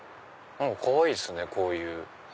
かわいいですねこういう。